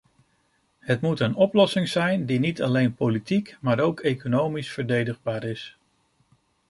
Het moet een oplossing zijn die niet alleen politiek, maar ook economisch verdedigbaar is.